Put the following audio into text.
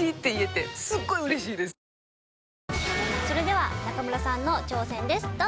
それでは中村さんの挑戦です。